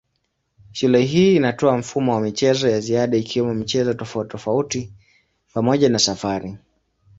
Shule hii inatoa mfumo wa michezo ya ziada ikiwemo michezo tofautitofauti pamoja na safari.